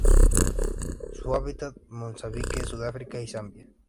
Habita en Mozambique, Sudáfrica y Zambia.